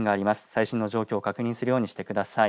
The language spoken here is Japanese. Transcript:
最新の状況を確認するようにしてください。